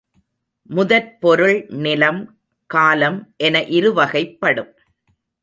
முதற்பொருள் நிலம் காலம் என இருவகைப்படும்.